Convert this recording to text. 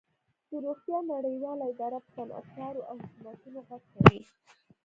د روغتیا نړیواله اداره په صنعتکارو او حکومتونو غږ کوي